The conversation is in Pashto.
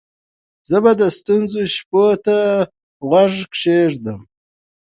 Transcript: زه به د ستورو شپو ته غوږ کښېږدمه